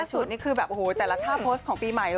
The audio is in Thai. สุดนี่คือแบบโอ้โหแต่ละท่าโพสต์ของปีใหม่